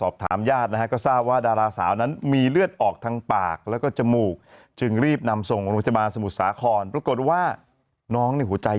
คนก็พูดเรื่องอะไรกันบ้างหนูวันนี้